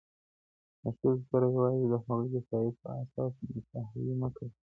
د ښځو سره يوازي د هغوی د ښايست په اساس نکاحوي مه کوئ